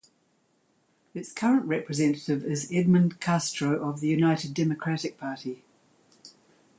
Its current representative is Edmond Castro of the United Democratic Party.